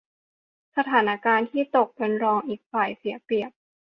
สถานการณ์ที่ตกเป็นรองเป็นฝ่ายเสียเปรียบ